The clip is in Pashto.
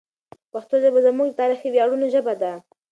پښتو ژبه زموږ د تاریخي ویاړونو ژبه ده.